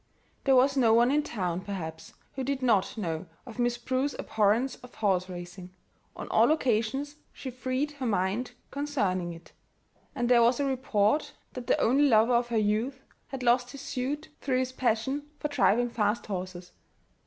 There was no one in the town, perhaps, who did not know of Miss Prue's abhorrence of horse racing. On all occasions she freed her mind concerning it; and there was a report that the only lover of her youth had lost his suit through his passion for driving fast horses.